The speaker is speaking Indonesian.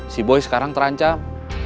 si boy sekarang terancam